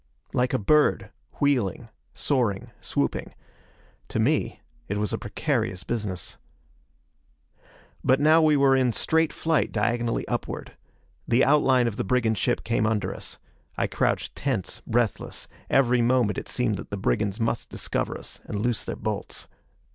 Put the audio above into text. Like a bird, wheeling, soaring, swooping. To me, it was a precarious business. But now we were in straight flight diagonally upward. The outline of the brigand ship came under us. I crouched tense, breathless; every moment it seemed that the brigands must discover us and loose their bolts.